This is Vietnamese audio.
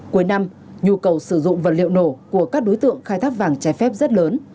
cuối năm nhu cầu sử dụng vật liệu nổ của các đối tượng khai thác vàng trái phép rất lớn